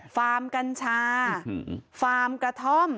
ฟาร์มกัญชาฟาร์มกระท่อม